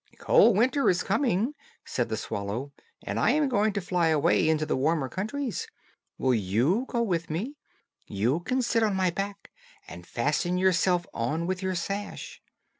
"Cold winter is coming," said the swallow, "and I am going to fly away into warmer countries. Will you go with me? You can sit on my back, and fasten yourself on with your sash.